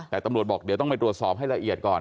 แต่ตำรวจบอกเดี๋ยวต้องไปตรวจสอบให้ละเอียดก่อน